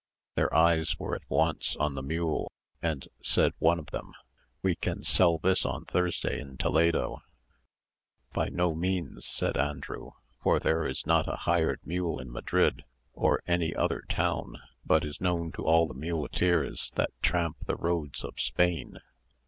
Their eyes were at once on the mule, and said one of them, "We can sell this on Thursday in Toledo." "By no means," said Andrew; "for there is not a hired mule in Madrid, or any other town, but is known to all the muleteers that tramp the roads of Spain."